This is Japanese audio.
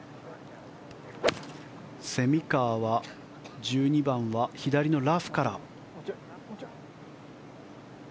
蝉川は１２番は左のラフから。